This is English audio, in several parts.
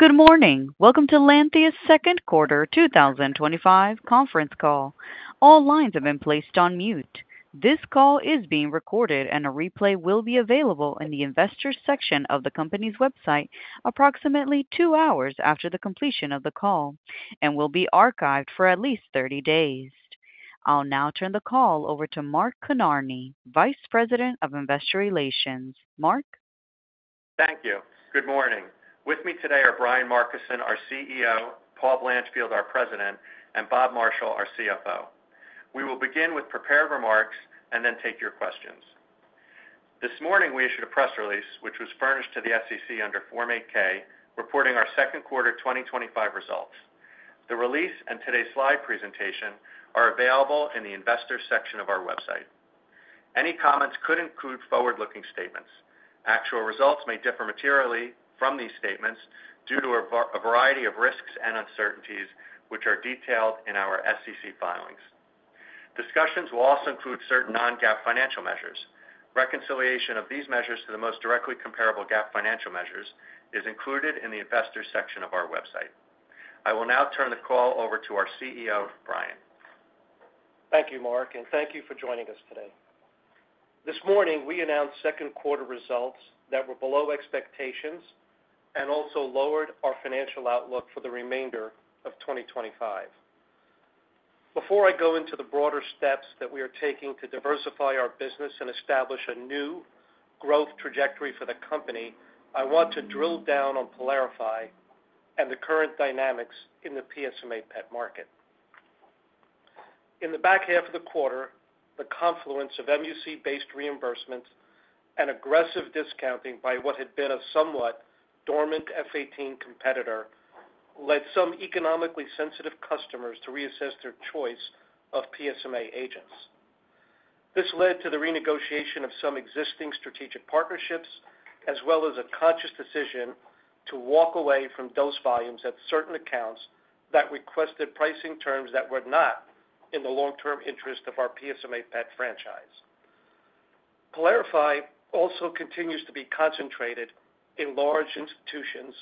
Good morning. Welcome to Lantheus Second Quarter 2025 Conference Call. All lines have been placed on mute. This call is being recorded, and a replay will be available in the investor section of the company's website approximately two hours after the completion of the call and will be archived for at least 30 days. I'll now turn the call over to Mark Kinarney, Vice President of Investor Relations. Mark. Thank you. Good morning. With me today are Brian Markison, our CEO, Paul Blanchfield, our President, and Bob Marshall, our CFO. We will begin with prepared remarks and then take your questions. This morning, we issued a press release, which was furnished to the SEC under Form 8-K, reporting our second quarter 2025 results. The release and today's slide presentation are available in the investor section of our website. Any comments could include forward-looking statements. Actual results may differ materially from these statements due to a variety of risks and uncertainties, which are detailed in our SEC filings. Discussions will also include certain non-GAAP financial measures. Reconciliation of these measures to the most directly comparable GAAP financial measures is included in the investor section of our website. I will now turn the call over to our CEO, Brian. Thank you, Mark, and thank you for joining us today. This morning, we announced second quarter results that were below expectations and also lowered our financial outlook for the remainder of 2025. Before I go into the broader steps that we are taking to diversify our business and establish a new growth trajectory for the company, I want to drill down on PYLARIFY and the current dynamics in the PSMA PET market. In the back half of the quarter, the confluence of MUC-based reimbursements and aggressive discounting by what had been a somewhat dormant F-18 competitor led some economically sensitive customers to reassess their choice of PSMA agents. This led to the renegotiation of some existing strategic partnerships, as well as a conscious decision to walk away from dose volumes at certain accounts that requested pricing terms that were not in the long-term interest of our PSMA PET franchise. PYLARIFY also continues to be concentrated in large institutions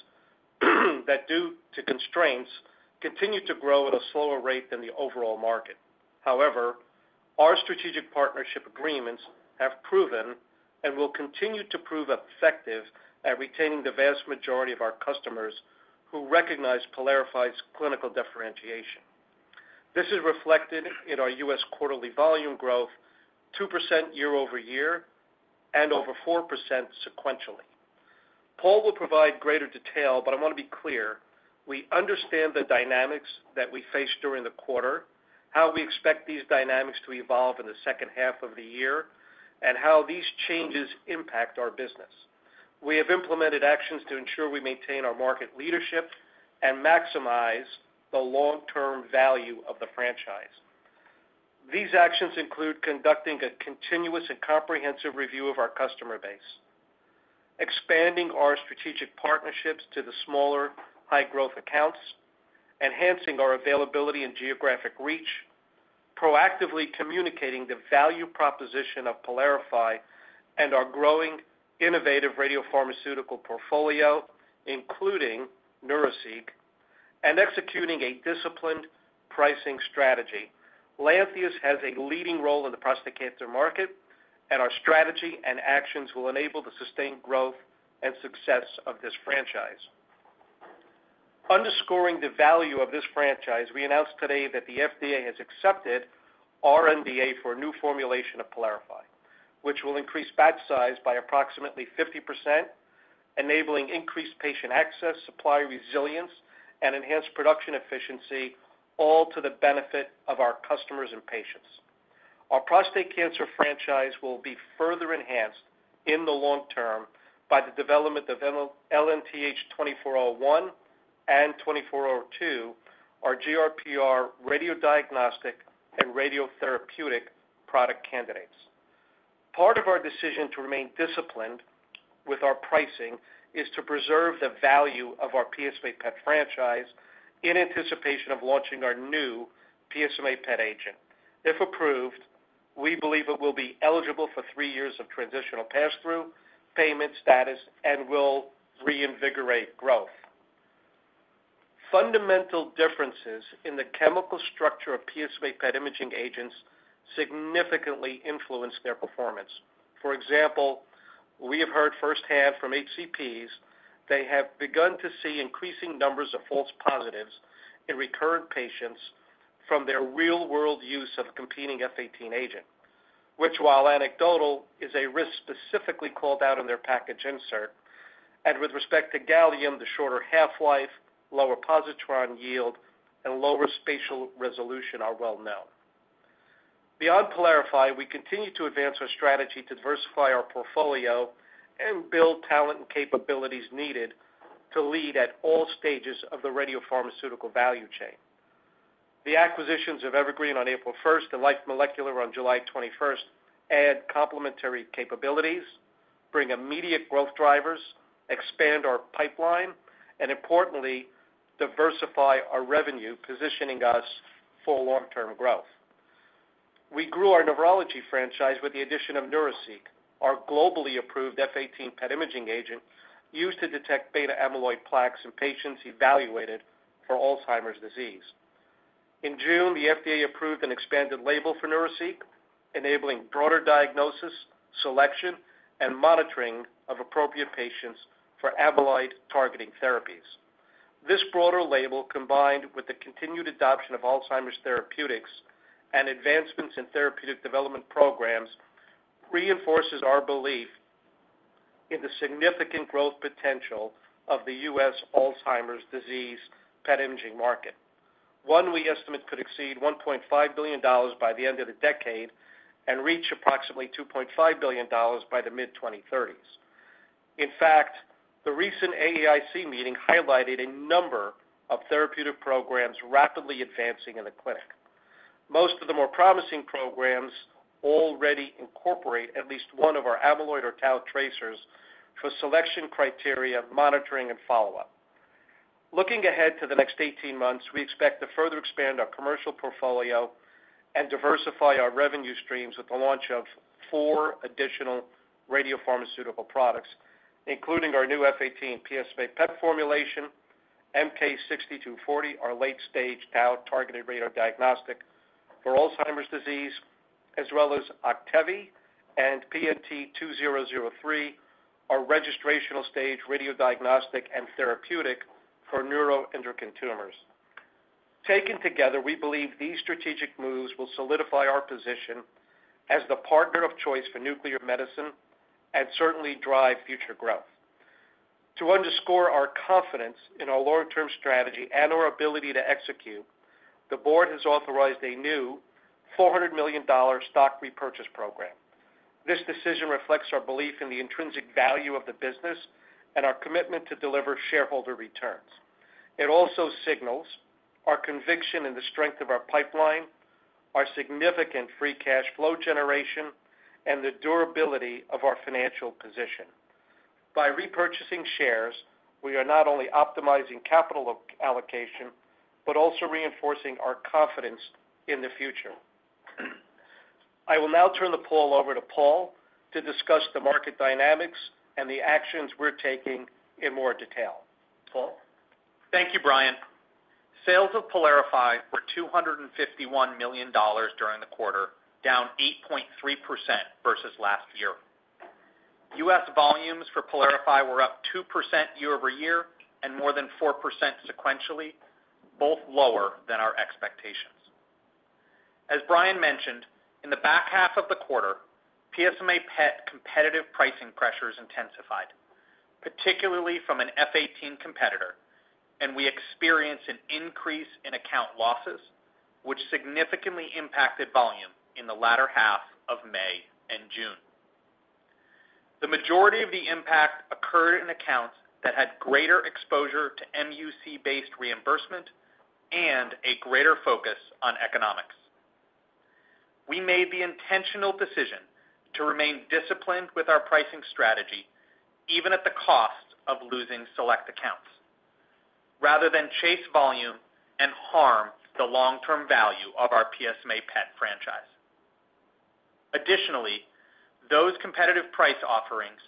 that, due to constraints, continue to grow at a slower rate than the overall market. However, our strategic partnership agreements have proven and will continue to prove effective at retaining the vast majority of our customers who recognize PYLARIFY's clinical differentiation. This is reflected in our U.S. quarterly volume growth, 2% year-over-year and over 4% sequentially. Paul will provide greater detail, but I want to be clear. We understand the dynamics that we face during the quarter, how we expect these dynamics to evolve in the second half of the year, and how these changes impact our business. We have implemented actions to ensure we maintain our market leadership and maximize the long-term value of the franchise. These actions include conducting a continuous and comprehensive review of our customer base, expanding our strategic partnerships to the smaller high-growth accounts, enhancing our availability and geographic reach, proactively communicating the value proposition of PYLARIFY and our growing innovative radiopharmaceutical portfolio, including Neuraceq, and executing a disciplined pricing strategy. Lantheus has a leading role in the prostate cancer market, and our strategy and actions will enable the sustained growth and success of this franchise. Underscoring the value of this franchise, we announced today that the FDA has accepted our NDA for a new formulation of PYLARIFY, which will increase batch size by approximately 50%, enabling increased patient access, supply resilience, and enhanced production efficiency, all to the benefit of our customers and patients. Our prostate cancer franchise will be further enhanced in the long term by the development of LNTH-2401 and LNTH-2402, our GRPR radiodiagnostic and radiotherapeutic product candidates. Part of our decision to remain disciplined with our pricing is to preserve the value of our PSMA PET franchise in anticipation of launching our new PSMA PET agent. If approved, we believe it will be eligible for three years of transitional pass-through payment status and will reinvigorate growth. Fundamental differences in the chemical structure of PSMA PET imaging agents significantly influence their performance. For example, we have heard firsthand from HCPs they have begun to see increasing numbers of false positives in recurrent patients from their real-world use of a competing F-18 agent, which, while anecdotal, is a risk specifically called out in their package insert. With respect to gallium, the shorter half-life, lower positron yield, and lower spatial resolution are well known. Beyond PYLARIFY, we continue to advance our strategy to diversify our portfolio and build talent and capabilities needed to lead at all stages of the radiopharmaceutical value chain. The acquisitions of Evergreen on April 1st and Life Molecular Imaging on July 21st add complementary capabilities, bring immediate growth drivers, expand our pipeline, and importantly, diversify our revenue, positioning us for long-term growth. We grew our neurology franchise with the addition of Neuraceq, our globally approved F-18-PET imaging agent used to detect beta-amyloid plaques in patients evaluated for Alzheimer's disease. In June, the FDA approved an expanded label for Neuraceq, enabling broader diagnosis, selection, and monitoring of appropriate patients for amyloid-targeting therapies. This broader label, combined with the continued adoption of Alzheimer's therapeutics and advancements in therapeutic development programs, reinforces our belief in the significant growth potential of the U.S. Alzheimer's disease PET imaging market. We estimate it could exceed $1.5 billion by the end of the decade and reach approximately $2.5 billion by the mid-2030s. In fact, the recent AAIC meeting highlighted a number of therapeutic programs rapidly advancing in the clinic. Most of the more promising programs already incorporate at least one of our amyloid or tau tracers for selection criteria, monitoring, and follow-up. Looking ahead to the next 18 months, we expect to further expand our commercial portfolio and diversify our revenue streams with the launch of four additional radiopharmaceutical products, including our new F-18 PSMA PET formulation, MK-6240, our late-stage tau-targeted radiodiagnostic for Alzheimer's disease, as well as OCTEVY and PNT2003, our registrational stage radiodiagnostic and therapeutic for neuroendocrine tumors. Taken together, we believe these strategic moves will solidify our position as the partner of choice for nuclear medicine and certainly drive future growth. To underscore our confidence in our long-term strategy and our ability to execute, the board has authorized a new $400 million stock repurchase program. This decision reflects our belief in the intrinsic value of the business and our commitment to deliver shareholder returns. It also signals our conviction in the strength of our pipeline, our significant free cash flow generation, and the durability of our financial position. By repurchasing shares, we are not only optimizing capital allocation but also reinforcing our confidence in the future. I will now turn the call over to Paul to discuss the market dynamics and the actions we're taking in more detail. Paul? Thank you, Brian. Sales of PYLARIFY were $251 million during the quarter, down 8.3% versus last year. U.S. volumes for PYLARIFY were up 2% year-over-year and more than 4% sequentially, both lower than our expectations. As Brian mentioned, in the back half of the quarter, PSMA PET competitive pricing pressures intensified, particularly from an F-18 competitor, and we experienced an increase in account losses, which significantly impacted volume in the latter half of May and June. The majority of the impact occurred in accounts that had greater exposure to MUC-based reimbursement and a greater focus on economics. We made the intentional decision to remain disciplined with our pricing strategy, even at the cost of losing select accounts, rather than chase volume and harm the long-term value of our PSMA PET franchise. Additionally, those competitive price offerings,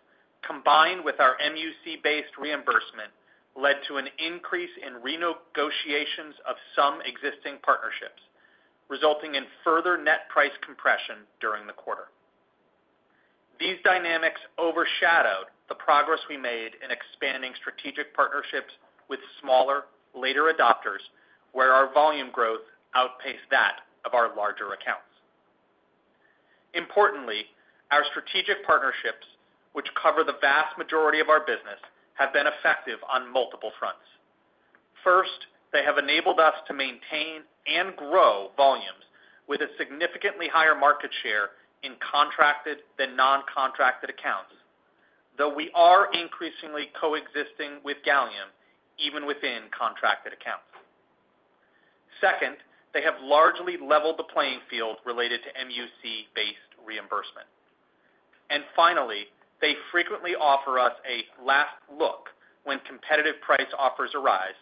combined with our MUC-based reimbursement, led to an increase in renegotiations of some existing partnerships, resulting in further net price compression during the quarter. These dynamics overshadowed the progress we made in expanding strategic partnerships with smaller later adopters where our volume growth outpaced that of our larger accounts. Importantly, our strategic partnerships, which cover the vast majority of our business, have been effective on multiple fronts. First, they have enabled us to maintain and grow volumes with a significantly higher market share in contracted than non-contracted accounts, though we are increasingly coexisting with gallium even within contracted accounts. Second, they have largely leveled the playing field related to MUC-based reimbursement. Finally, they frequently offer us a last look when competitive price offers arise,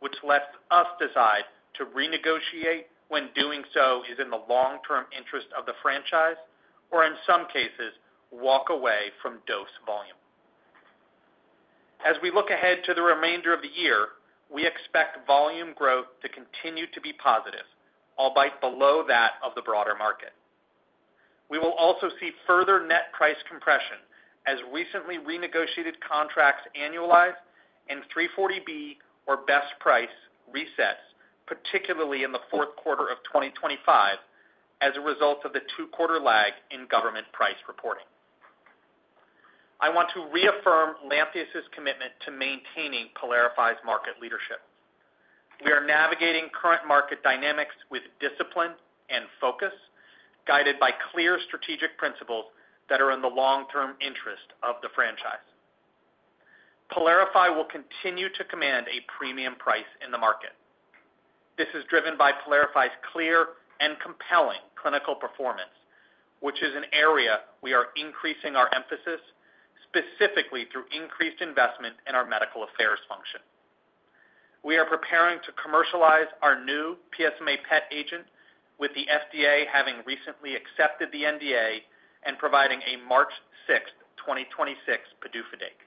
which lets us decide to renegotiate when doing so is in the long-term interest of the franchise or, in some cases, walk away from dose volume. As we look ahead to the remainder of the year, we expect volume growth to continue to be positive, albeit below that of the broader market. We will also see further net price compression as recently renegotiated contracts annualize and 340B or best price resets, particularly in the fourth quarter of 2025, as a result of the two-quarter lag in government price reporting. I want to reaffirm Lantheus's commitment to maintaining PYLARIFY's market leadership. We are navigating current market dynamics with discipline and focus, guided by clear strategic principles that are in the long-term interest of the franchise. PYLARIFY will continue to command a premium price in the market. This is driven by PYLARIFY's clear and compelling clinical performance, which is an area we are increasing our emphasis, specifically through increased investment in our medical affairs function. We are preparing to commercialize our new PSMA PET agent, with the FDA having recently accepted the NDA and providing a March 6th, 2026 PDUFA date.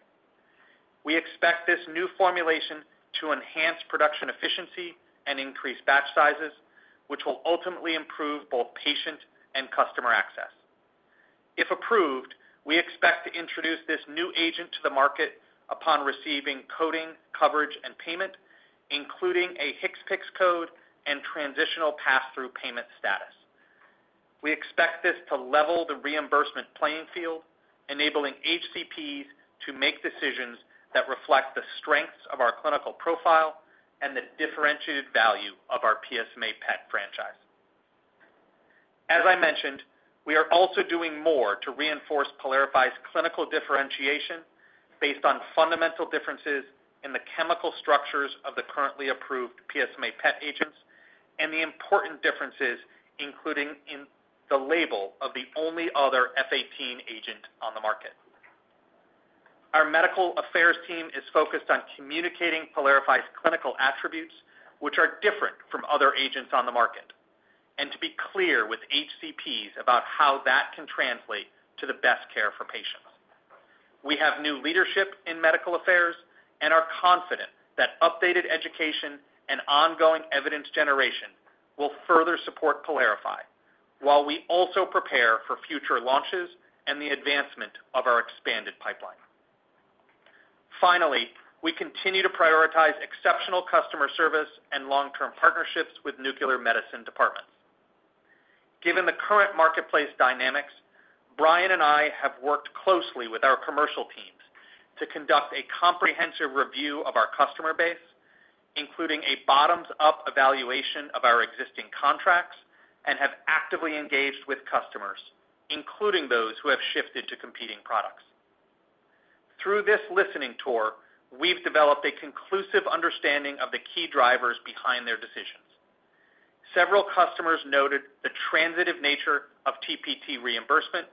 We expect this new formulation to enhance production efficiency and increase batch sizes, which will ultimately improve both patient and customer access. If approved, we expect to introduce this new agent to the market upon receiving coding, coverage, and payment, including a HCPCS code and transitional pass-through payment status. We expect this to level the reimbursement playing field, enabling HCPs to make decisions that reflect the strengths of our clinical profile and the differentiated value of our PSMA PET franchise. As I mentioned, we are also doing more to reinforce PYLARIFY's clinical differentiation based on fundamental differences in the chemical structures of the currently approved PSMA PET agents and the important differences including in the label of the only other F-18 agent on the market. Our medical affairs team is focused on communicating PYLARIFY's clinical attributes, which are different from other agents on the market, and to be clear with HCPs about how that can translate to the best care for patients. We have new leadership in medical affairs and are confident that updated education and ongoing evidence generation will further support PYLARIFY, while we also prepare for future launches and the advancement of our expanded pipeline. Finally, we continue to prioritize exceptional customer service and long-term partnerships with nuclear medicine departments. Given the current marketplace dynamics, Brian and I have worked closely with our commercial teams to conduct a comprehensive review of our customer base, including a bottoms-up evaluation of our existing contracts, and have actively engaged with customers, including those who have shifted to competing products. Through this listening tour, we've developed a conclusive understanding of the key drivers behind their decisions. Several customers noted the transitive nature of TPT reimbursement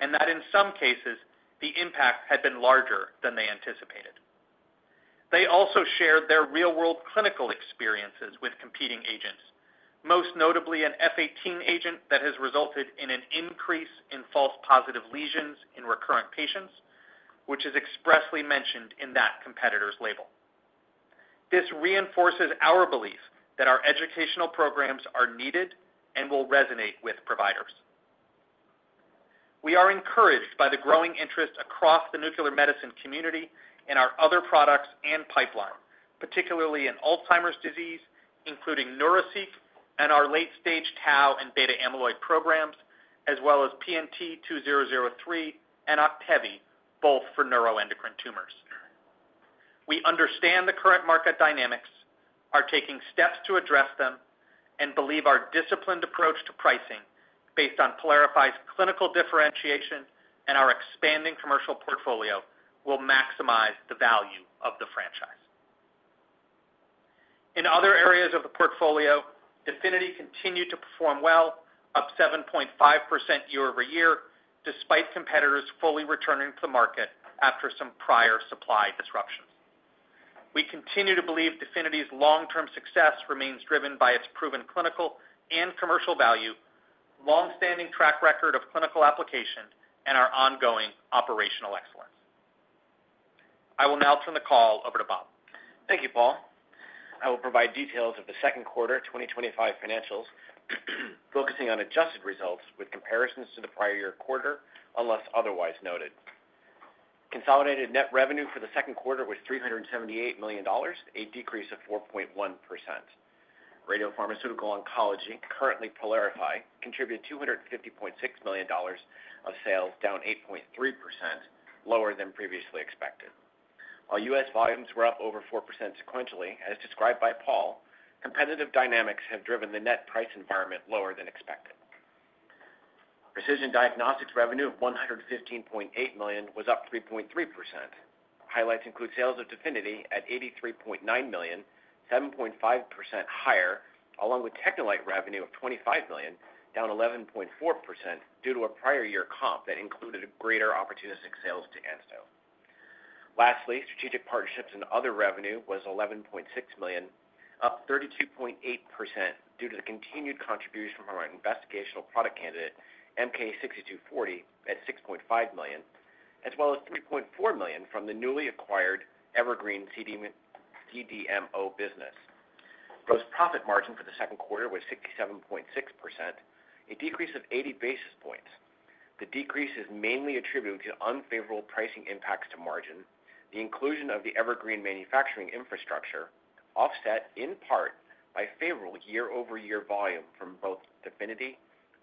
and that in some cases the impact had been larger than they anticipated. They also shared their real-world clinical experiences with competing agents, most notably an F-18 agent that has resulted in an increase in false positive lesions in recurrent patients, which is expressly mentioned in that competitor's label. This reinforces our belief that our educational programs are needed and will resonate with providers. We are encouraged by the growing interest across the nuclear medicine community in our other products and pipeline, particularly in Alzheimer's disease, including Neuraceq and our late-stage tau and beta-amyloid programs, as well as PNT2003 and OCTEVY, both for neuroendocrine tumors. We understand the current market dynamics, are taking steps to address them, and believe our disciplined approach to pricing based on PYLARIFY's clinical differentiation and our expanding commercial portfolio will maximize the value of the franchise. In other areas of the portfolio, DEFINITY continued to perform well, up 7.5% year-over-year, despite competitors fully returning to the market after some prior supply disruptions. We continue to believe DEFINITY's long-term success remains driven by its proven clinical and commercial value, longstanding track record of clinical application, and our ongoing operational excellence. I will now turn the call over to Bob. Thank you, Paul. I will provide details of the second quarter 2025 financials, focusing on adjusted results with comparisons to the prior year quarter unless otherwise noted. Consolidated net revenue for the second quarter was $378 million, a decrease of 4.1%. Radiopharmaceutical oncology, currently PYLARIFY, contributed $250.6 million of sales, down 8.3%, lower than previously expected. While U.S. volumes were up over 4% sequentially, as described by Paul, competitive dynamics have driven the net price environment lower than expected. Precision Diagnostics revenue of $115.8 million was up 3.3%. Highlights include sales of DEFINITY at $83.9 million, 7.5% higher, along with TechneLite revenue of $25 million, down 11.4% due to a prior year comp that included greater opportunistic sales to ANSTO. Lastly, strategic partnerships and other revenue was $11.6 million, up 32.8% due to the continued contribution from our investigational product candidate, MK-6240, at $6.5 million, as well as $3.4 million from the newly acquired Evergreen (CDMO) business. Gross profit margin for the second quarter was 67.6%, a decrease of 80 basis points. The decrease is mainly attributed to unfavorable pricing impacts to margin, the inclusion of the Evergreen manufacturing infrastructure, offset in part by favorable year-over-year volume from both DEFINITY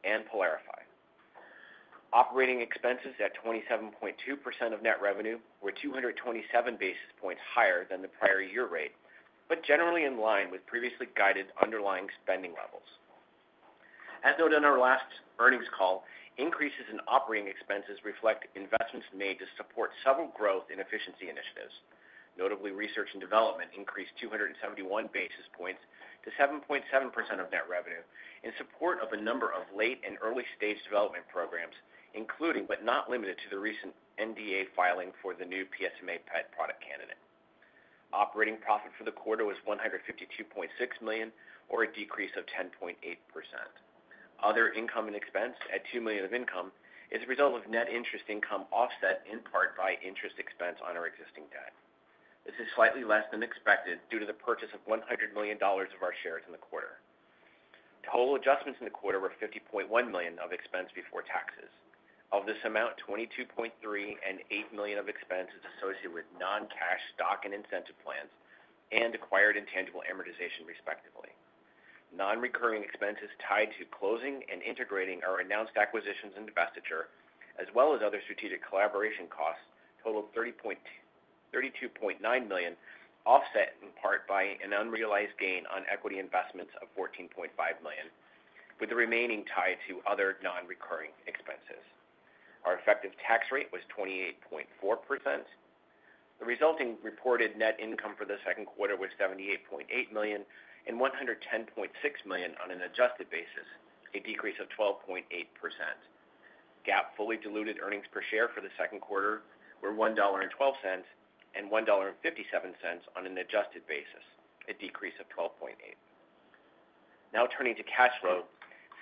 and PYLARIFY. Operating expenses at 27.2% of net revenue were 227 basis points higher than the prior year rate, but generally in line with previously guided underlying spending levels. As noted on our last earnings call, increases in operating expenses reflect investments made to support several growth and efficiency initiatives. Notably, research and development increased 271 basis points to 7.7% of net revenue in support of a number of late and early-stage development programs, including but not limited to the recent NDA filing for the new PSMA PET product candidate. Operating profit for the quarter was $152.6 million, or a decrease of 10.8%. Other income and expense at $2 million of income is a result of net interest income offset in part by interest expense on our existing debt. This is slightly less than expected due to the purchase of $100 million of our shares in the quarter. Total adjustments in the quarter were $50.1 million of expense before taxes. Of this amount, $22.3 million and $8 million of expense is associated with non-cash stock and incentive plans and acquired intangible amortization, respectively. Non-recurring expenses tied to closing and integrating our announced acquisitions and divestiture, as well as other strategic collaboration costs, totaled $32.9 million, offset in part by an unrealized gain on equity investments of $14.5 million, with the remaining tied to other non-recurring expenses. Our effective tax rate was 28.4%. The resulting reported net income for the second quarter was $78.8 million and $110.6 million on an adjusted basis, a decrease of 12.8%. GAAP fully diluted earnings per share for the second quarter were $1.12 and $1.57 on an adjusted basis, a decrease of 12.8%. Now turning to cash flow,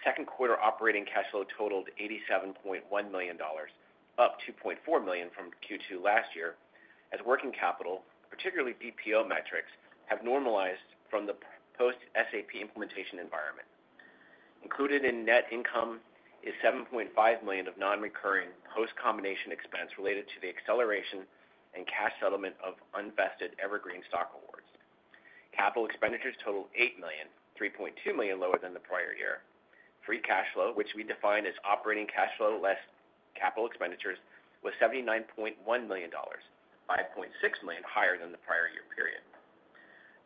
second quarter operating cash flow totaled $87.1 million, up $2.4 million from Q2 last year, as working capital, particularly DPO metrics, have normalized from the post-SAP implementation environment. Included in net income is $7.5 million of non-recurring post-combination expense related to the acceleration and cash settlement of unvested Evergreen stock awards. Capital expenditures totaled $8 million, $3.2 million lower than the prior year. Free cash flow, which we define as operating cash flow less capital expenditures, was $79.1 million, $5.6 million higher than the prior year period.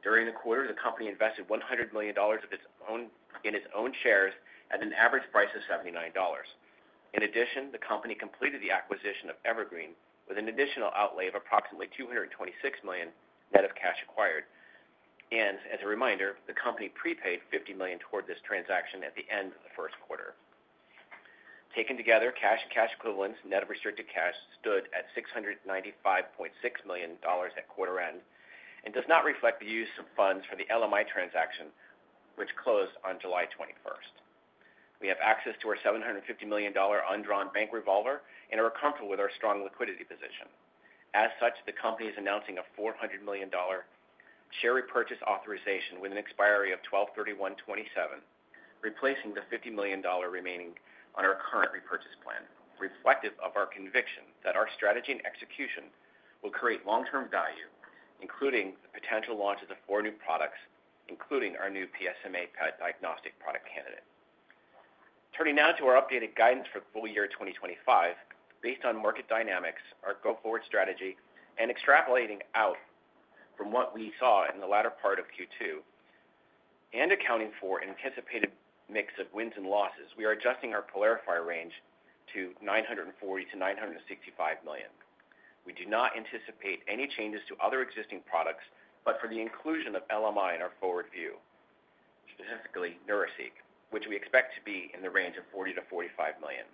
During the quarter, the company invested $100 million of its own in its own shares at an average price of $79. In addition, the company completed the acquisition of Evergreen with an additional outlay of approximately $226 million net of cash acquired. As a reminder, the company prepaid $50 million toward this transaction at the end of the first quarter. Taken together, cash and cash equivalents net of restricted cash stood at $695.6 million at quarter end and does not reflect the use of funds for the LMI transaction, which closed on July 21st. We have access to our $750 million undrawn bank revolver and are comfortable with our strong liquidity position. As such, the company is announcing a $400 million share repurchase authorization with an expiry of 12/31/2027, replacing the $50 million remaining on our current repurchase plan, reflective of our conviction that our strategy and execution will create long-term value, including the potential launch of the four new products, including our new PSMA PET diagnostic product candidate. Turning now to our updated guidance for the full year 2025, based on market dynamics, our go-forward strategy, and extrapolating out from what we saw in the latter part of Q2 and accounting for an anticipated mix of wins and losses, we are adjusting our PYLARIFY range to $940 million-$965 million. We do not anticipate any changes to other existing products, but for the inclusion of Life Molecular Imaging in our forward view, specifically Neuraceq, which we expect to be in the range of $40 million-$45 million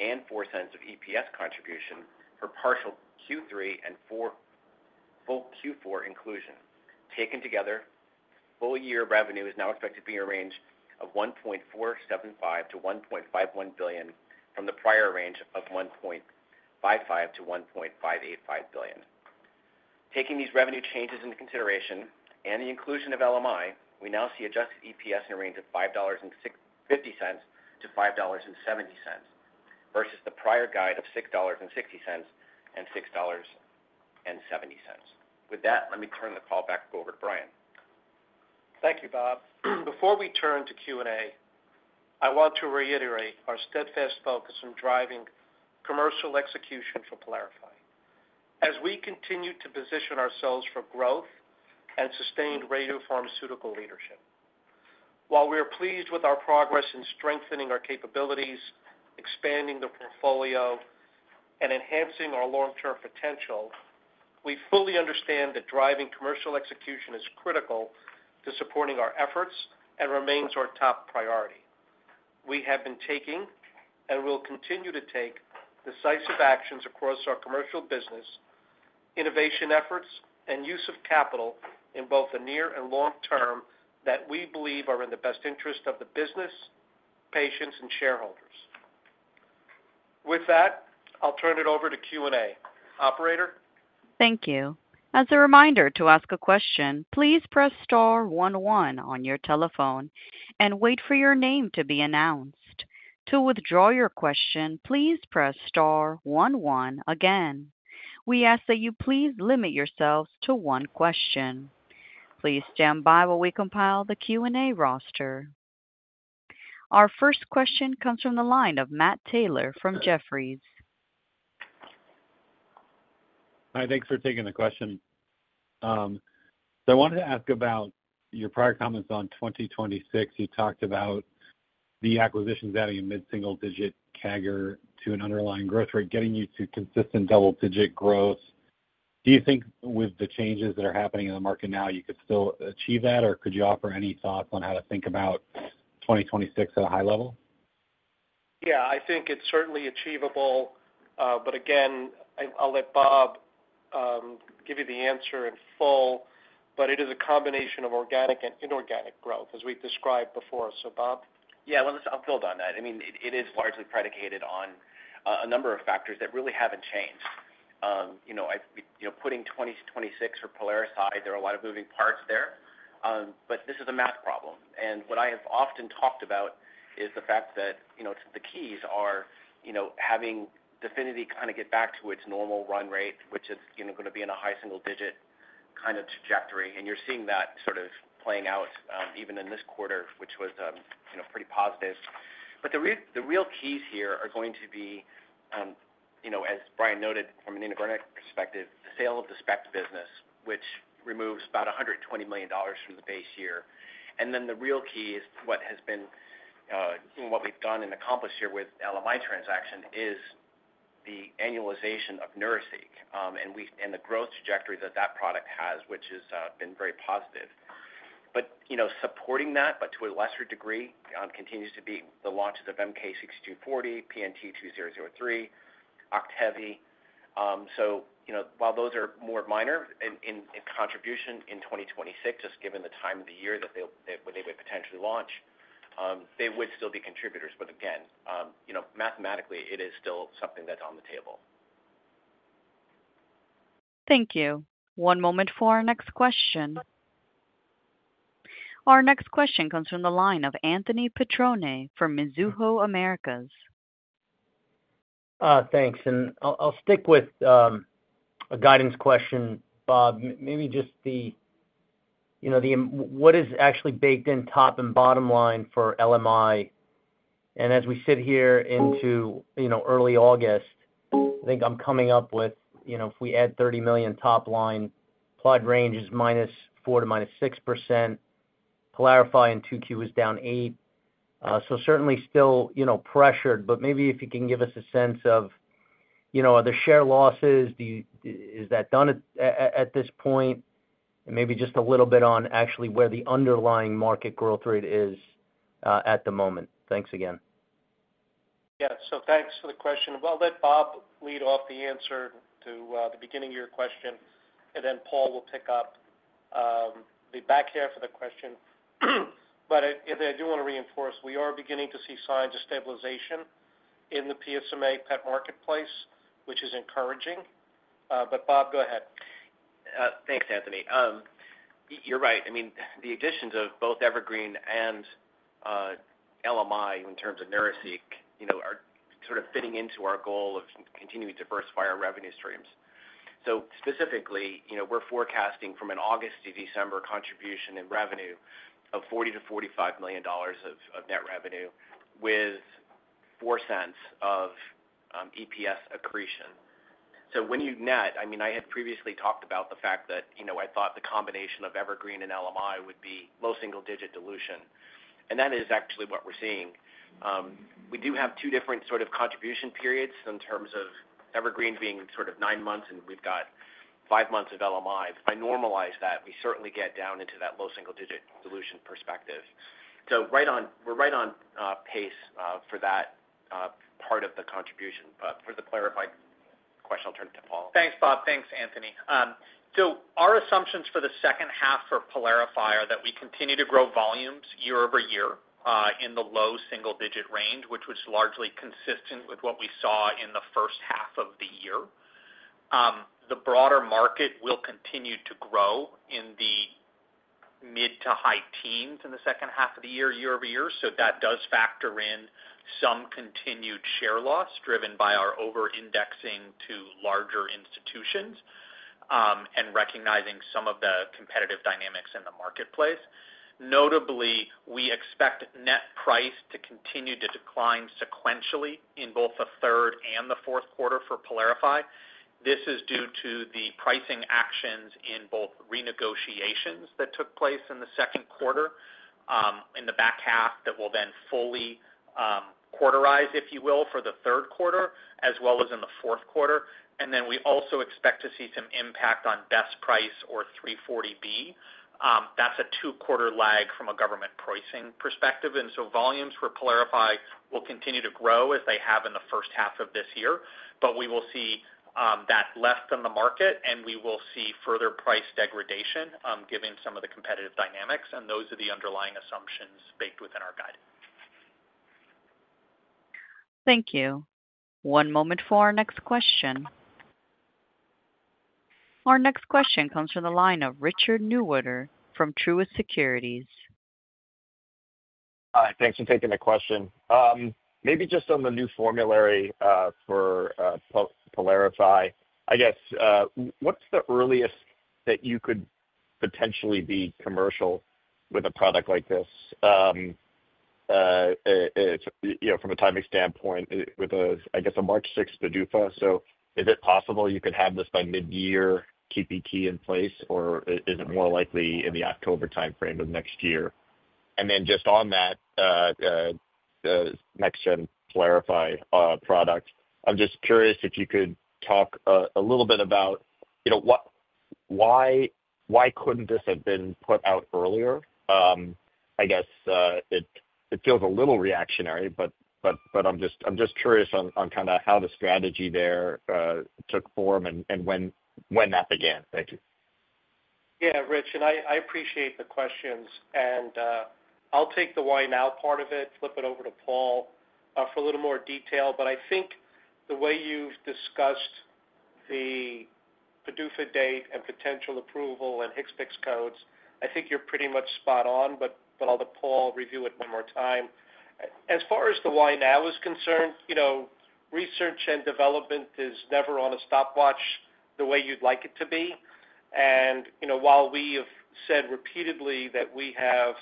and $0.04 of EPS contribution for partial Q3 and full Q4 inclusion. Taken together, full-year revenue is now expected to be in a range of $1.475 billion-$1.51 billion from the prior range of $1.55 billion-$1.585 billion. Taking these revenue changes into consideration and the inclusion of LMI, we now see adjusted EPS in a range of $5.50-$5.70 versus the prior guide of $6.60 and $6.70. With that, let me turn the call back over to Brian. Thank you, Bob. Before we turn to Q&A, I want to reiterate our steadfast focus on driving commercial execution for PYLARIFY as we continue to position ourselves for growth and sustained radiopharmaceutical leadership. While we are pleased with our progress in strengthening our capabilities, expanding the portfolio, and enhancing our long-term potential, we fully understand that driving commercial execution is critical to supporting our efforts and remains our top priority. We have been taking and will continue to take decisive actions across our commercial business, innovation efforts, and use of capital in both the near and long term that we believe are in the best interest of the business, patients, and shareholders. With that, I'll turn it over to Q&A. Operator. Thank you. As a reminder, to ask a question, please press star one one on your telephone and wait for your name to be announced. To withdraw your question, please press star one one again. We ask that you please limit yourselves to one question. Please stand by while we compile the Q&A roster. Our first question comes from the line of Matt Taylor from Jefferies. Hi, thanks for taking the question. I wanted to ask about your prior comments on 2026. You talked about the acquisitions adding a mid-single-digit CAGR to an underlying growth rate, getting you to consistent double-digit growth. Do you think with the changes that are happening in the market now, you could still achieve that, or could you offer any thoughts on how to think about 2026 at a high level? Yeah, I think it's certainly achievable. I'll let Bob give you the answer in full. It is a combination of organic and inorganic growth, as we described before. Bob? Yeah, let me just build on that. I mean, it is largely predicated on a number of factors that really haven't changed. You know, putting 2026 for PYLARIFY, there are a lot of moving parts there. This is a math problem. What I have often talked about is the fact that the keys are having DEFINITY kind of get back to its normal run rate, which is going to be in a high single-digit kind of trajectory. You're seeing that sort of playing out even in this quarter, which was pretty positive. The real keys here are going to be, as Brian noted from an endogenous perspective, the sale of the SPECT business, which removes about $120 million from the base year. The real key is what has been what we've done and accomplished here with the LMI transaction, which is the annualization of Neuraceq and the growth trajectory that that product has, which has been very positive. Supporting that, but to a lesser degree, continues to be the launches of MK-6240, PNT2003, OCTEVY While those are more minor in contribution in 2026, just given the time of the year that they would potentially launch, they would still be contributors. Again, mathematically, it is still something that's on the table. Thank you. One moment for our next question. Our next question comes from the line of Anthony Petrone from Mizuho Americas. Thanks. I'll stick with a guidance question, Bob. Maybe just the, you know, what is actually baked in top and bottom line for LMI? As we sit here into early August, I think I'm coming up with, you know, if we add $30 million top line, plot range is -4% to -6%. PYLARIFY in 2Q is down 8%. Certainly still, you know, pressured. Maybe if you can give us a sense of, you know, are there share losses? Is that done at this point? Maybe just a little bit on actually where the underlying market growth rate is at the moment. Thanks again. Thank you for the question. I'll let Bob lead off the answer to the beginning of your question, and then Paul will pick up the back half of the question. I do want to reinforce we are beginning to see signs of stabilization in the PSMA PET marketplace, which is encouraging. Bob, go ahead. Thanks, Anthony. You're right. I mean, the additions of both Evergreen and LMI in terms of Neuraceq are sort of fitting into our goal of continuing to diversify our revenue streams. Specifically, we're forecasting from an August to December contribution in revenue of $40 million-$45 million of net revenue with $0.04 of EPS accretion. When you net, I mean, I had previously talked about the fact that I thought the combination of Evergreen and LMI would be low single-digit dilution. That is actually what we're seeing. We do have two different sort of contribution periods in terms of Evergreen being sort of nine months and we've got five months of LMI. If I normalize that, we certainly get down into that low single-digit dilution perspective. We're right on pace for that part of the contribution. For the PYLARIFY question, I'll turn it to Paul. Thanks, Bob. Thanks, Anthony. Our assumptions for the second half for PYLARIFY are that we continue to grow volumes year-over-year in the low single-digit range, which was largely consistent with what we saw in the first half of the year. The broader market will continue to grow in the mid to high teens in the second half of the year, year-over-year. That does factor in some continued share loss driven by our over-indexing to larger institutions and recognizing some of the competitive dynamics in the marketplace. Notably, we expect net price to continue to decline sequentially in both the third and the fourth quarter for PYLARIFY. This is due to the pricing actions in both renegotiations that took place in the second quarter in the back half that will then fully quarterize, if you will, for the third quarter, as well as in the fourth quarter. We also expect to see some impact on best price or 340B. That's a two-quarter lag from a government pricing perspective. Volumes for PYLARIFY will continue to grow as they have in the first half of this year. We will see that left in the market and we will see further price degradation given some of the competitive dynamics. Those are the underlying assumptions baked within our guide. Thank you. One moment for our next question. Our next question comes from the line of Richard Newitter from Truist Securities. Hi, thanks for taking that question. Maybe just on the new formulation for PYLARIFY, I guess, what's the earliest that you could potentially be commercial with a product like this? You know, from a timing standpoint, with a, I guess, a March 6th PDUFA. Is it possible you could have this by mid-year TPT in place, or is it more likely in the October timeframe of next year? Then just on that next-gen PYLARIFY product, I'm just curious if you could talk a little bit about, you know, why couldn't this have been put out earlier? I guess it feels a little reactionary, but I'm just curious on kind of how the strategy there took form and when that began. Thank you. Yeah, Rich, I appreciate the questions. I'll take the why-now part of it and flip it over to Paul for a little more detail. I think the way you've discussed the PYLARIFY date and potential approval and HCPCS codes, I think you're pretty much spot on. I'll let Paul review it one more time. As far as the why-now is concerned, research and development is never on a stopwatch the way you'd like it to be. While we have said repeatedly that we have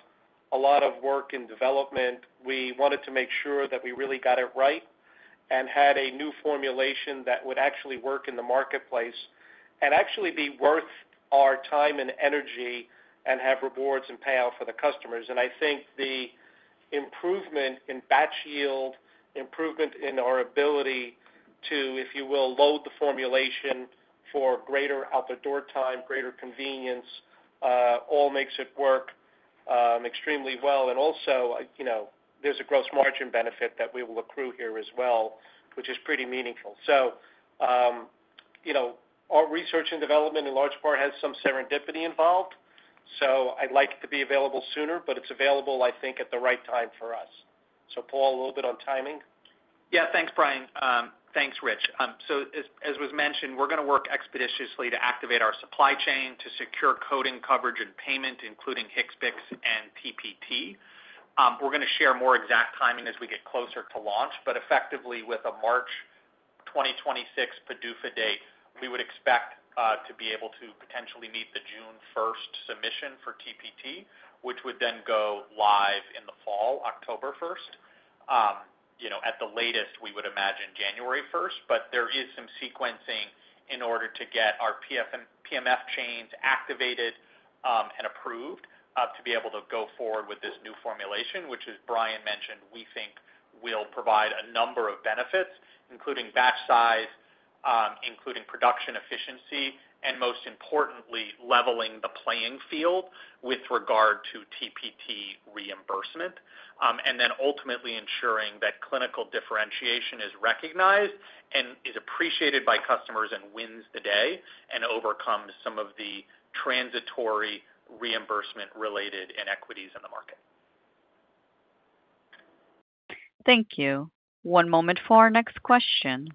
a lot of work in development, we wanted to make sure that we really got it right and had a new formulation that would actually work in the marketplace and actually be worth our time and energy and have rewards and payout for the customers. I think the improvement in batch yield, improvement in our ability to, if you will, load the formulation for greater out time, greater convenience, all makes it work extremely well. Also, there's a gross margin benefit that we will accrue here as well, which is pretty meaningful. Our research and development in large part has some serendipity involved. I'd like to be available sooner, but it's available, I think, at the right time for us. Paul, a little bit on timing. Yeah, thanks, Brian. Thanks, Rich. As was mentioned, we're going to work expeditiously to activate our supply chain to secure coding coverage and payment, including HCPCS and TPT. We're going to share more exact timing as we get closer to launch. Effectively, with a March 2026 PDUFA date, we would expect to be able to potentially meet the June 1st submission for TPT, which would then go live in the fall, October 1st. At the latest, we would imagine January 1st. There is some sequencing in order to get our PMF chains activated and approved to be able to go forward with this new formulation, which, as Brian mentioned, we think will provide a number of benefits, including batch size, including production efficiency, and most importantly, leveling the playing field with regard to TPT reimbursement, and then ultimately ensuring that clinical differentiation is recognized and is appreciated by customers and wins the day and overcomes some of the transitory reimbursement-related inequities in the market. Thank you. One moment for our next question.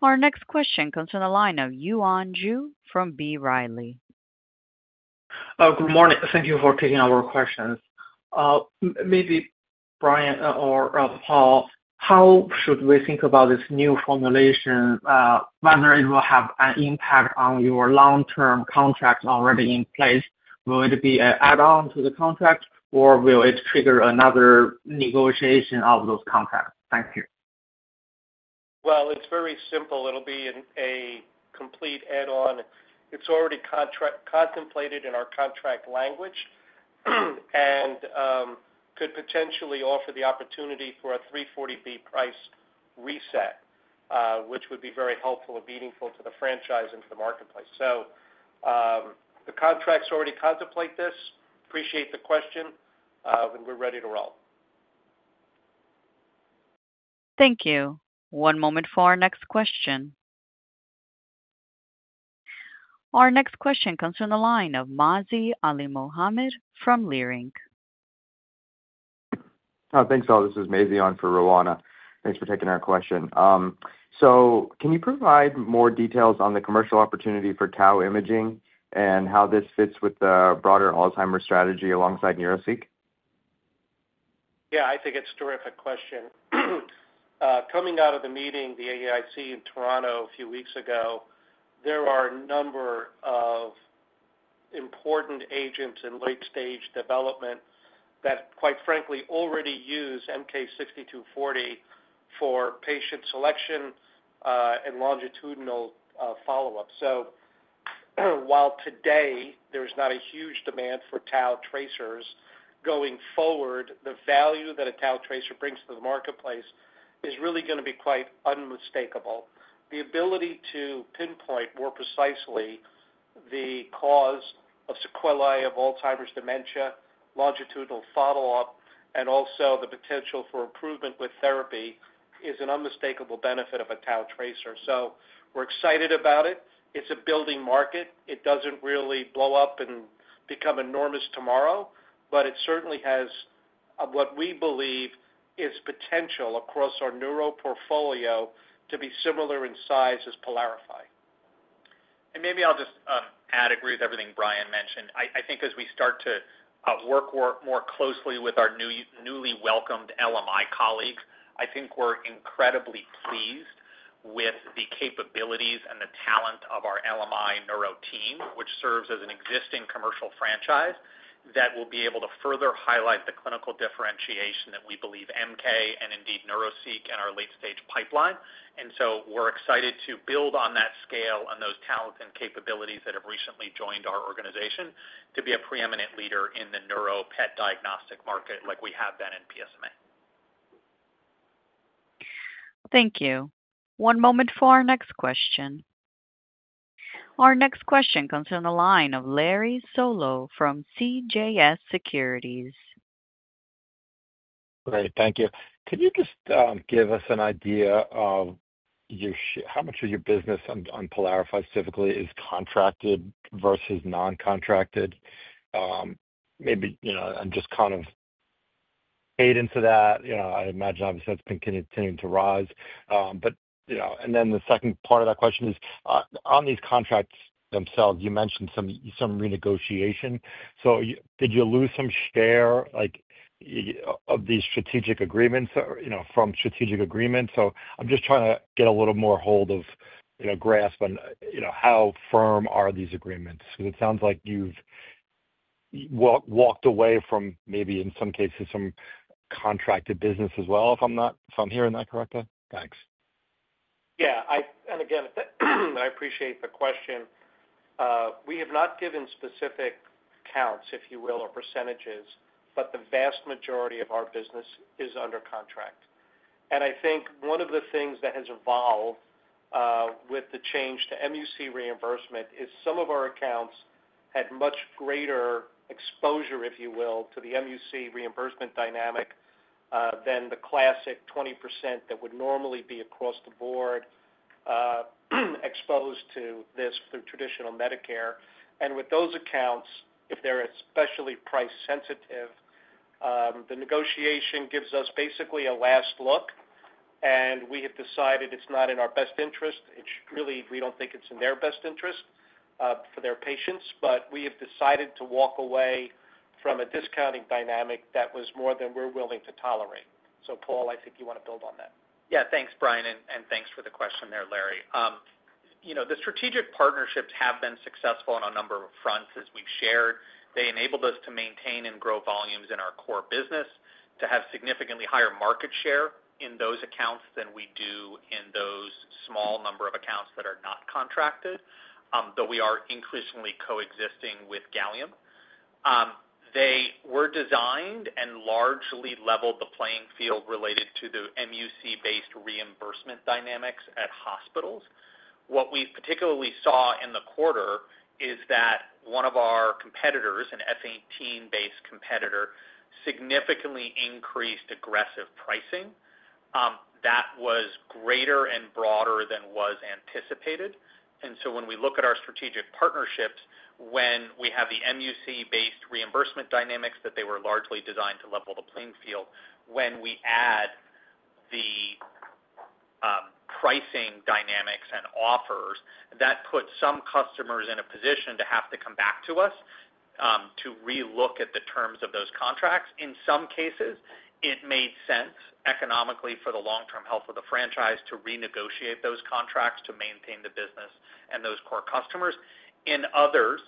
Our next question comes from the line of Yuan Zhi from B. Riley. Good morning. Thank you for taking our questions. Maybe Brian or Paul, how should we think about this new formulation? Whether it will have an impact on your long-term contracts already in place, will it be an add-on to the contract, or will it trigger another negotiation of those contracts? Thank you. It is very simple. It'll be a complete add-on. It's already contemplated in our contract language and could potentially offer the opportunity for a 340B price reset, which would be very helpful and meaningful to the franchise and to the marketplace. The contracts already contemplate this. Appreciate the question, and we're ready to roll. Thank you. One moment for our next question. Our next question comes from the line of Mazi Alimohammed from Leerink. Thanks, all. This is Mazi on for (Rowana). Thanks for taking our question. Can you provide more details on the commercial opportunity for tau imaging and how this fits with the broader Alzheimer's strategy alongside Neuraceq? Yeah, I think it's a terrific question. Coming out of the meeting of the AAIC in Toronto a few weeks ago, there are a number of important agents in late-stage development that, quite frankly, already use MK-6240 for patient selection and longitudinal follow-up. While today there's not a huge demand for tau tracers, going forward, the value that a tau tracer brings to the marketplace is really going to be quite unmistakable. The ability to pinpoint more precisely the cause of sequelae of Alzheimer's dementia, longitudinal follow-up, and also the potential for improvement with therapy is an unmistakable benefit of a tau tracer. We're excited about it. It's a building market. It doesn't really blow up and become enormous tomorrow, but it certainly has what we believe is potential across our neuro portfolio to be similar in size as PYLARIFY. I agree with everything Brian mentioned. I think as we start to work more closely with our newly welcomed Life Molecular Imaging colleagues, we're incredibly pleased with the capabilities and the talent of our LMI neuro team, which serves as an existing commercial franchise that will be able to further highlight the clinical differentiation that we believe MK-6240 and indeed Neuraceq and our late-stage pipeline offer. We're excited to build on that scale and those talents and capabilities that have recently joined our organization to be a preeminent leader in the (neuro PET) diagnostic market like we have been in PSMA. Thank you. One moment for our next question. Our next question comes from the line of Larry Solow from CJS Securities. Great. Thank you. Can you just give us an idea of how much of your business on PYLARIFY specifically is contracted versus non-contracted? Maybe, you know, and just kind of paid into that. I imagine obviously that's been continuing to rise. The second part of that question is on these contracts themselves, you mentioned some renegotiation. Did you lose some share, like, of these strategic agreements, from strategic agreements? I'm just trying to get a little more hold of, you know, grasp on, you know, how firm are these agreements? It sounds like you've walked away from maybe in some cases some contracted business as well, if I'm hearing that correctly. Thanks. Yeah, I appreciate the question. We have not given specific accounts, if you will, or percentages, but the vast majority of our business is under contract. I think one of the things that has evolved with the change to MUC-based reimbursement is some of our accounts had much greater exposure, if you will, to the MUC-based reimbursement dynamic than the classic 20% that would normally be across the board exposed to this through traditional Medicare. With those accounts, if they're especially price sensitive, the negotiation gives us basically a last look. We have decided it's not in our best interest. It's really, we don't think it's in their best interest for their patients, but we have decided to walk away from a discounting dynamic that was more than we're willing to tolerate. Paul, I think you want to build on that. Yeah, thanks, Brian, and thanks for the question there, Larry. The strategic partnerships have been successful on a number of fronts, as we've shared. They enabled us to maintain and grow volumes in our core business, to have significantly higher market share in those accounts than we do in those small number of accounts that are not contracted, though we are increasingly coexisting with gallium. They were designed and largely leveled the playing field related to the MUC-based reimbursement dynamics at hospitals. What we particularly saw in the quarter is that one of our competitors, an F-18-based competitor, significantly increased aggressive pricing. That was greater and broader than was anticipated. When we look at our strategic partnerships, when we have the MUC-based reimbursement dynamics that they were largely designed to level the playing field, when we add the pricing dynamics and offers, that puts some customers in a position to have to come back to us to relook at the terms of those contracts. In some cases, it made sense economically for the long-term health of the franchise to renegotiate those contracts to maintain the business and those core customers. In others,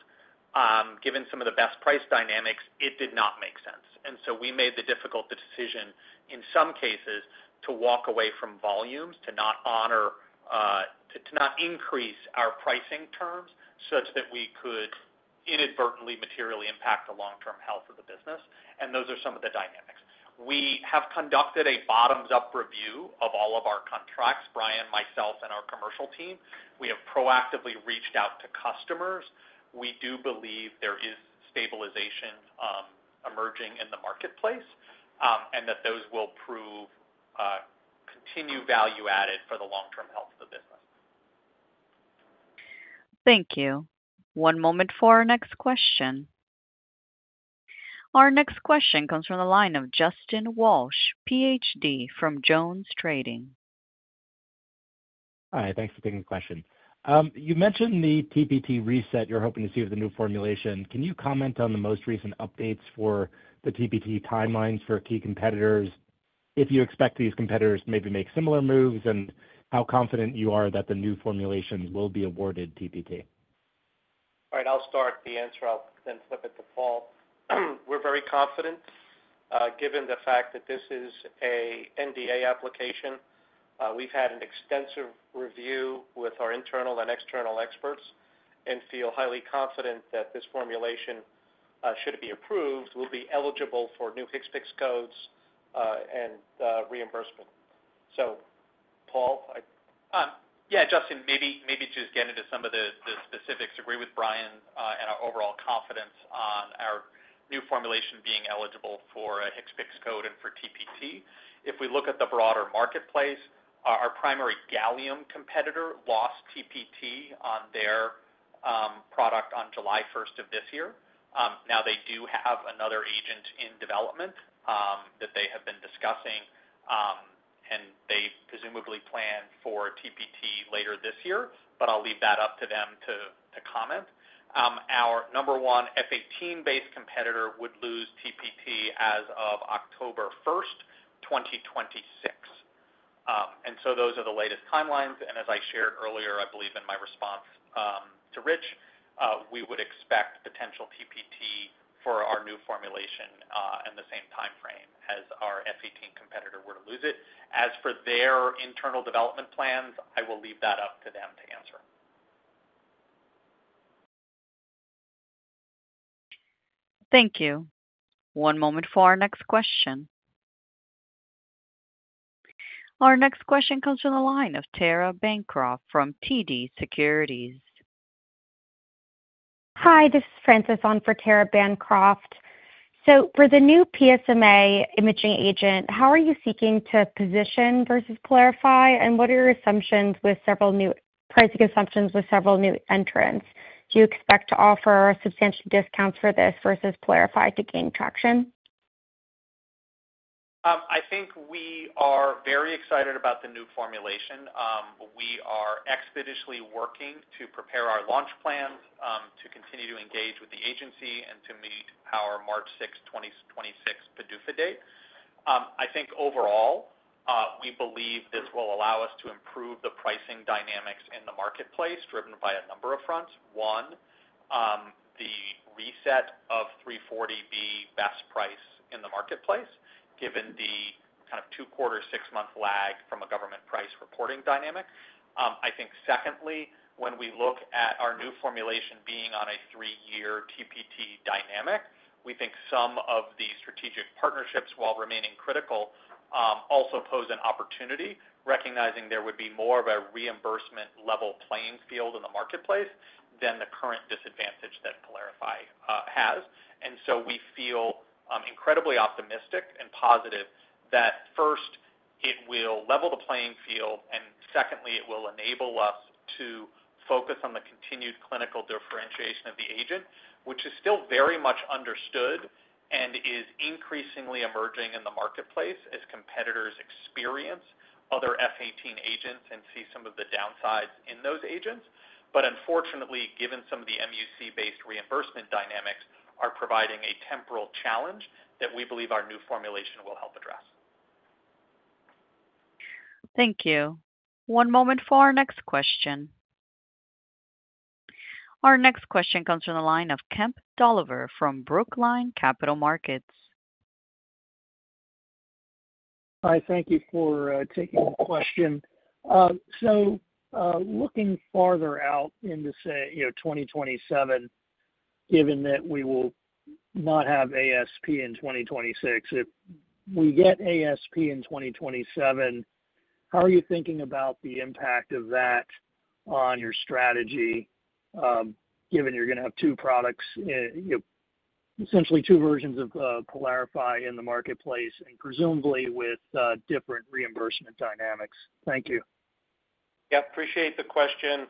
given some of the best price dynamics, it did not make sense. We made the difficult decision in some cases to walk away from volumes, to not honor, to not increase our pricing terms such that we could inadvertently materially impact the long-term health of the business. Those are some of the dynamics. We have conducted a bottoms-up review of all of our contracts, Brian, myself, and our commercial team. We have proactively reached out to customers. We do believe there is stabilization emerging in the marketplace and that those will prove continued value added for the long-term health of the business. Thank you. One moment for our next question. Our next question comes from the line of Justin Walsh, PhD from JonesTrading. Hi, thanks for taking the question. You mentioned the TPT reset you're hoping to see with the new formulation. Can you comment on the most recent updates for the TPT timelines for key competitors? If you expect these competitors to maybe make similar moves and how confident you are that the new formulations will be awarded TPT? All right, I'll start the answer. I'll then flip it to Paul. We're very confident, given the fact that this is an NDA application. We've had an extensive review with our internal and external experts and feel highly confident that this formulation, should it be approved, will be eligible for new HCPCS codes and reimbursement. Paul? Yeah, Justin, maybe just get into some of the specifics. I agree with Brian and our overall confidence on our new formulation being eligible for a HCPCS code and for TPT. If we look at the broader marketplace, our primary gallium competitor lost TPT on their product on July 1st, of this year. They do have another agent in development that they have been discussing, and they presumably plan for TPT later this year, but I'll leave that up to them to comment. Our number one F-18-based competitor would lose TPT as of October 1st, 2026. Those are the latest timelines. As I shared earlier, I believe in my response to Rich, we would expect potential TPT for our new formulation in the same timeframe as our F-18 competitor were to lose it. As for their internal development plans, I will leave that up to them to answer. Thank you. One moment for our next question. Our next question comes from the line of Tara Bancroft from TD Securities. Hi, this is Frances on for Tara Bancroft. For the new PSMA imaging agent, how are you seeking to position versus PYLARIFY, and what are your assumptions with several new pricing assumptions with several new entrants? Do you expect to offer substantial discounts for this versus PYLARIFY to gain traction? I think we are very excited about the new formulation. We are expeditiously working to prepare our launch plans to continue to engage with the agency and to meet our March 6th, 2026 PDUFA date. I think overall, we believe this will allow us to improve the pricing dynamics in the marketplace driven by a number of fronts. One, the reset of 340B best price in the marketplace, given the kind of two-quarter, six-month lag from a government price reporting dynamic. I think secondly, when we look at our new formulation being on a three-year TPT dynamic, we think some of the strategic partnerships, while remaining critical, also pose an opportunity, recognizing there would be more of a reimbursement-level playing field in the marketplace than the current disadvantage that PYLARIFY has. We feel incredibly optimistic and positive that first, it will level the playing field, and secondly, it will enable us to focus on the continued clinical differentiation of the agent, which is still very much understood and is increasingly emerging in the marketplace as competitors experience other F-18 agents and see some of the downsides in those agents. Unfortunately, given some of the MUC-based reimbursement dynamics, these are providing a temporal challenge that we believe our new formulation will help address. Thank you. One moment for our next question. Our next question comes from the line of Kemp Dolliver from Brookline Capital Markets. Hi, thank you for taking the question. Looking farther out into 2027, given that we will not have ASP in 2026, if we get ASP in 2027, how are you thinking about the impact of that on your strategy, given you're going to have two products, essentially two versions of PYLARIFY in the marketplace and presumably with different reimbursement dynamics? Thank you. Yeah. Appreciate the question.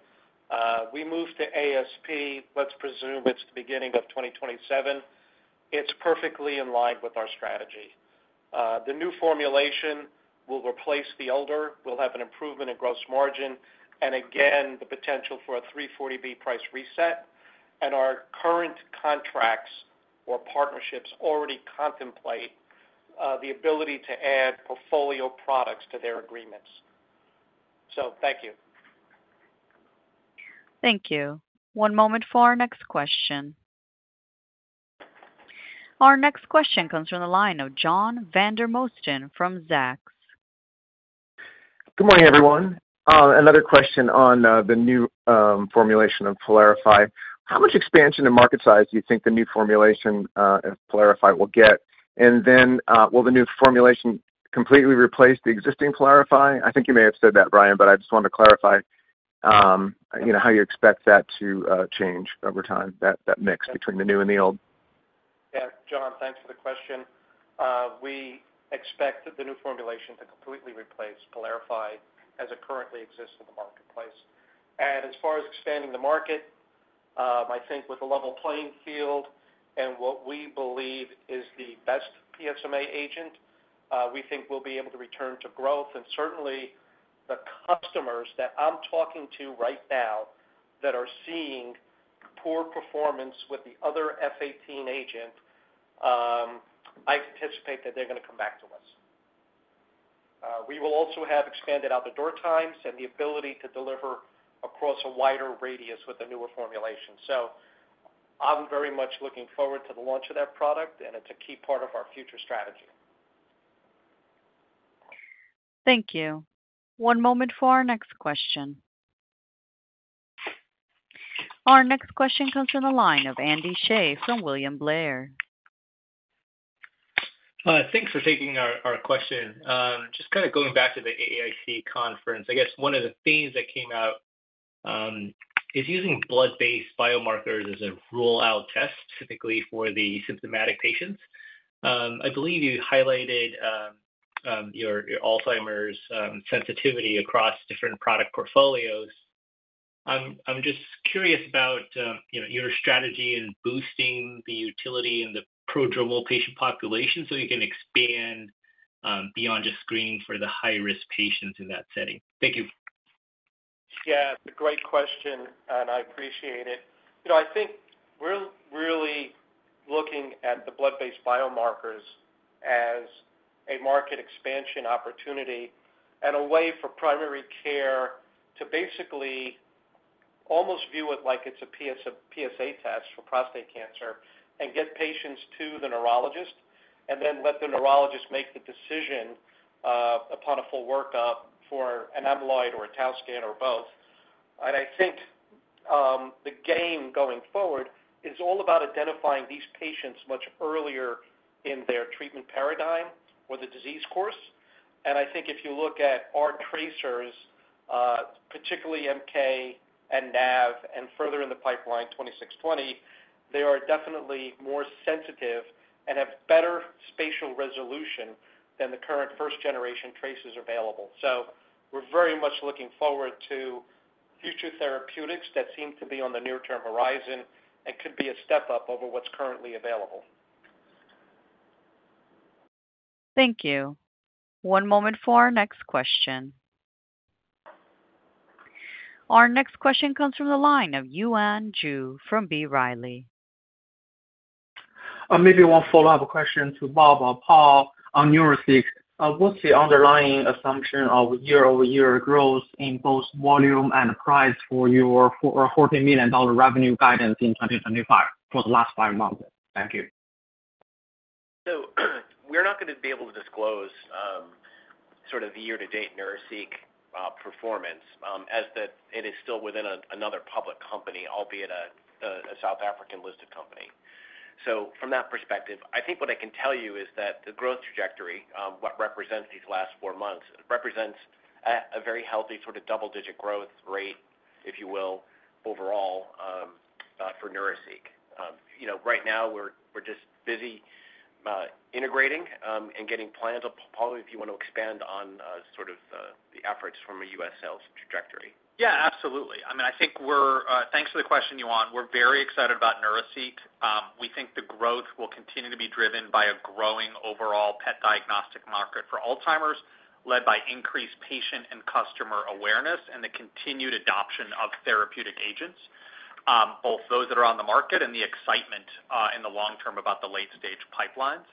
We moved to ASP. Let's presume it's the beginning of 2027. It's perfectly in line with our strategy. The new formulation will replace the older. We'll have an improvement in gross margin and, again, the potential for a 340B price reset. Our current contracts or partnerships already contemplate the ability to add portfolio products to their agreements. Thank you. Thank you. One moment for our next question. Our next question comes from the line of John Vandermosten from Zacks. Good morning, everyone. Another question on the new formulation of PYLARIFY. How much expansion in market size do you think the new formulation of PYLARIFY will get? Will the new formulation completely replace the existing PYLARIFY? I think you may have said that, Brian, but I just wanted to clarify how you expect that to change over time, that mix between the new and the old. Yeah, John, thanks for the question. We expect the new formulation to completely replace PYLARIFY as it currently exists in the marketplace. As far as expanding the market, I think with a level playing field and what we believe is the best PSMA agent, we think we'll be able to return to growth. Certainly, the customers that I'm talking to right now that are seeing poor performance with the other F-18 agent, I anticipate that they're going to come back to us. We will also have expanded out-the-door times and the ability to deliver across a wider radius with the newer formulation. I'm very much looking forward to the launch of that product, and it's a key part of our future strategy. Thank you. One moment for our next question. Our next question comes from the line of Andy Hsieh from William Blair. Thanks for taking our question. Going back to the AAIC conference, I guess one of the themes that came out is using blood-based biomarkers as a roll-out test, typically for the symptomatic patients. I believe you highlighted your Alzheimer's sensitivity across different product portfolios. I'm just curious about your strategy in boosting the utility in the prodromal patient population so you can expand beyond just screening for the high-risk patients in that setting. Thank you. Yeah, it's a great question, and I appreciate it. I think we're really looking at the blood-based biomarkers as a market expansion opportunity and a way for primary care to basically almost view it like it's a PSA test for prostate cancer and get patients to the neurologist and then let the neurologist make the decision upon a full workup for an amyloid or a tau scan or both. I think the game going forward is all about identifying these patients much earlier in their treatment paradigm or the disease course. I think if you look at our tracers, particularly MK-6240 and Neuraceq and further in the PI-2620, they are definitely more sensitive and have better spatial resolution than the current first-generation tracers available. We're very much looking forward to future therapeutics that seem to be on the near-term horizon and could be a step up over what's currently available. Thank you. One moment for our next question. Our next question comes from the line of Yuan Zhi from B. Riley. Maybe one follow-up question to Bob or Paul on Neuraceq. What's the underlying assumption of year-over-year growth in both volume and price for your $40 million revenue guidance in 2025 for the last five months? Thank you. We're not going to be able to disclose the year-to-date Neuraceq performance as it is still within another public company, albeit a South African-listed company. From that perspective, what I can tell you is that the growth trajectory, what represents these last four months, represents a very healthy double-digit growth rate, if you will, overall for Neuraceq. Right now, we're just busy integrating and getting plans. Paul, if you want to expand on the efforts from a U.S. sales trajectory. Yeah, absolutely. I mean, I think we're, thanks for the question, Yuan, we're very excited about Neuraceq. We think the growth will continue to be driven by a growing overall PET imaging diagnostic market for Alzheimer's, led by increased patient and customer awareness and the continued adoption of therapeutic agents, both those that are on the market and the excitement in the long term about the late-stage pipelines.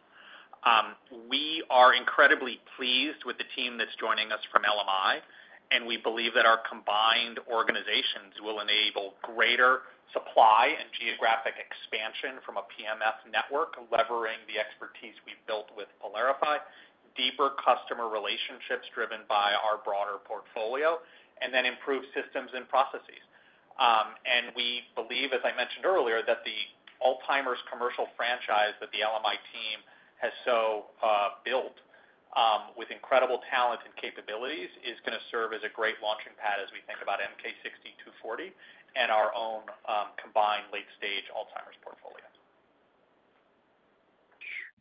We are incredibly pleased with the team that's joining us from LMI, and we believe that our combined organizations will enable greater supply and geographic expansion from a PMF network, leveraging the expertise we've built with PYLARIFY, deeper customer relationships driven by our broader portfolio, and improved systems and processes. We believe, as I mentioned earlier, that the Alzheimer's commercial franchise that the LMI team has built with incredible talent and capabilities is going to serve as a great launching pad as we think about MK-6240 and our own combined late-stage Alzheimer's portfolio.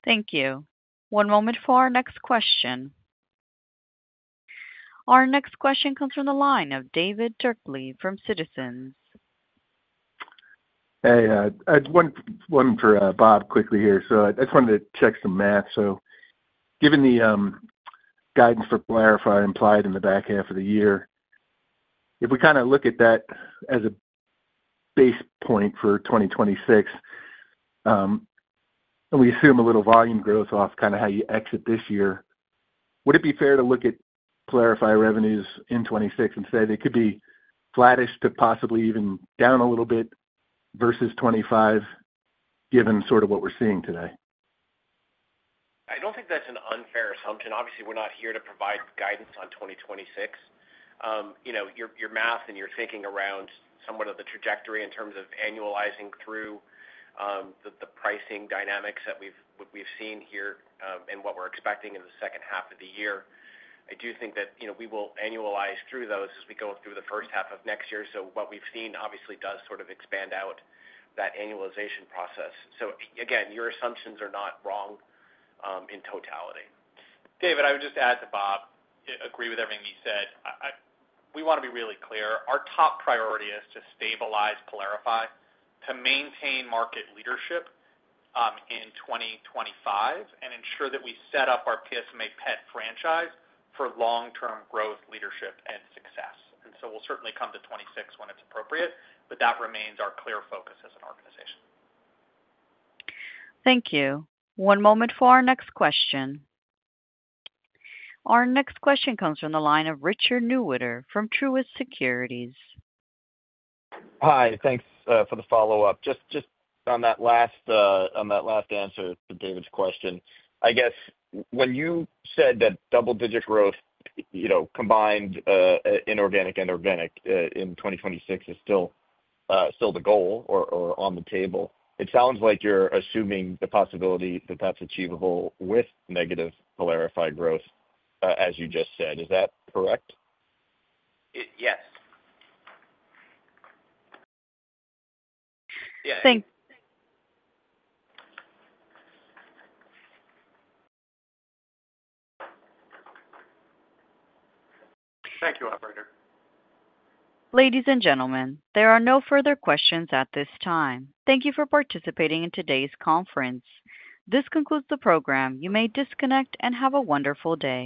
Thank you. One moment for our next question. Our next question comes from the line of David Turkaly from Citizens. Hey, I had one for Bob quickly here. I just wanted to check some math. Given the guidance for PYLARIFY implied in the back half of the year, if we kind of look at that as a base point for 2026, and we assume a little volume growth off kind of how you exit this year, would it be fair to look at PYLARIFY revenues in 2026 and say they could be flattish to possibly even down a little bit versus 2025, given sort of what we're seeing today? I don't think that's an unfair assumption. Obviously, we're not here to provide guidance on 2026. Your math and your thinking around somewhat of the trajectory in terms of annualizing through the pricing dynamics that we've seen here and what we're expecting in the second half of the year. I do think that we will annualize through those as we go through the first half of next year. What we've seen obviously does sort of expand out that annualization process. Your assumptions are not wrong in totality. David, I would just add to Bob, agree with everything he said. We want to be really clear. Our top priority is to stabilize PYLARIFY, to maintain market leadership in 2025, and ensure that we set up our PSMA PET franchise for long-term growth leadership and success. We will certainly come to 2026 when it's appropriate, but that remains our clear focus as an organization. Thank you. One moment for our next question. Our next question comes from the line of Richard Newitter from Truist Securities. Hi, thanks for the follow-up. Just on that last answer to David's question, I guess when you said that double-digit growth, you know, combined inorganic and organic in 2026 is still the goal or on the table, it sounds like you're assuming the possibility that that's achievable with negative PYLARIFY growth, as you just said. Is that correct? Yes. Thank you. Thank you, operator. Ladies and gentlemen, there are no further questions at this time. Thank you for participating in today's conference. This concludes the program. You may disconnect and have a wonderful day.